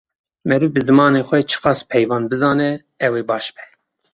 Meriv bi zimanê xwe çi qas peyvan bizane ew ê baş be.